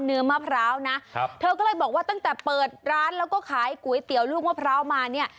เนื้อมะพร้าวนะครับเธอก็เลยบอกว่าตั้งแต่เปิดร้านแล้วก็ขายก๋วยเตี๋ยวลูกมะพร้าวมาเนี่ย